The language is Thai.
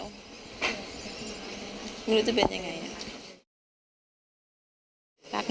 แม่น้องชมพู่แม่น้องชมพู่